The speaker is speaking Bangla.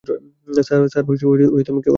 স্যার, কেউ আছেন, স্যার?